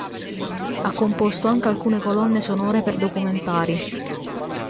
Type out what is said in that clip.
Ha composto anche alcune colonne sonore per documentari.